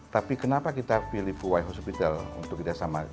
tapi kenapa kita pilih fuwai hospital untuk kerjasama